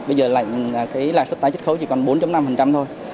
bây giờ lãi suất tái chất khấu chỉ còn bốn năm thôi